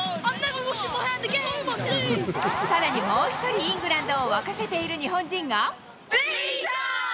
さらにもう一人イングランドを沸かせている日本人が。